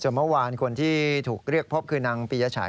เมื่อวานคนที่ถูกเรียกพบคือนางปียชัย